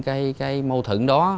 năm máy tăng